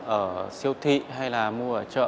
ở siêu thị hay là mua ở chợ